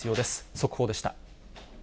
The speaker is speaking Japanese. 速報でした。